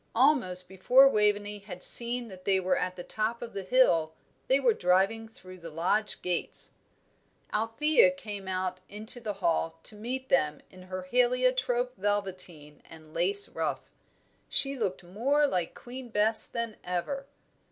Almost before Waveney had seen that they were at the top of the hill they were driving through the lodge gates. Althea came out into the hall to meet them in her heliotrope velveteen and lace ruff. She looked more like Queen Bess than ever.